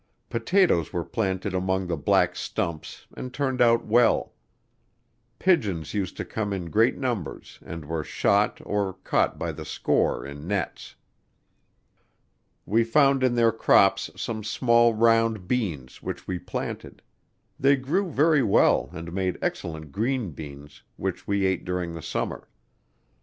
Potatoes were planted among the black stumps and turned out well. Pigeons used to come in great numbers and were shot or caught by the score in nets. We found in their crops some small round beans, which we planted; they grew very well and made excellent green beans, which we ate during the summer.